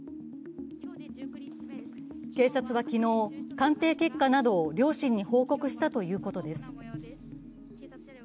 警察は昨日、鑑定結果などを両親に報告したということです。